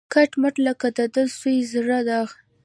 کټ مټ لکه د ده د سوي زړه داغ